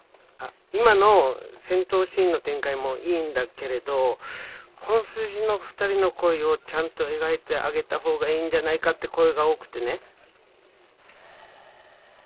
今の戦闘シーンの展開もいいんだけれど本筋の２人の恋をちゃんと描いてあげたほうがいいんじゃないかって声が多くてね。